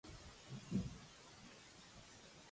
Què opina sobre la comissió que orienta el govern central?